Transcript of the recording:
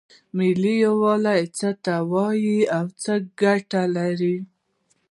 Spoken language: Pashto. ملي یووالی څه ته وایې او څه ګټې لري؟